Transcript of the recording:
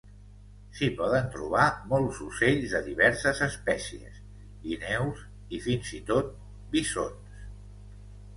S'hi poden trobar molts ocells de diverses espècies, guineus i, fins i tot, visons.